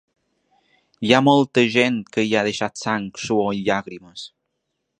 Hi ha molta gent que hi ha deixat sang, suor i llàgrimes.